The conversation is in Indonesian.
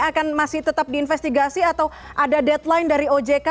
akan masih tetap diinvestigasi atau ada deadline dari ojk